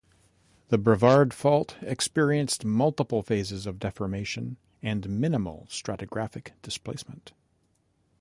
The Brevard Fault experienced multiple phases of deformation and minimal stratigraphic displacement.